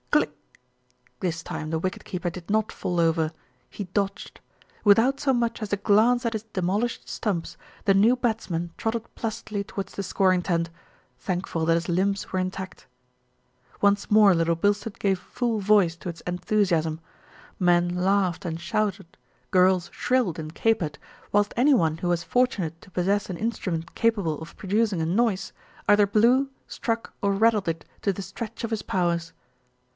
Click ! This time the wicket keeper did not fall over, he dodged. Without so much as a glance at his demol ished stumps, the new batsman trotted placidly towards the scoring tent, thankful that his limbs were intact. Once more Little Bilstead gave full voice to its en thusiasm. Men laughed and shouted, girls shrilled and capered, whilst any one who was fortunate to possess an instrument capable of producing a noise, either blew, struck, or rattled it to the stretch of his powers.